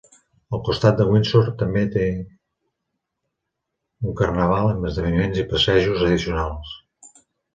El costat de Windsor també té un carnaval amb esdeveniments i passejos addicionals.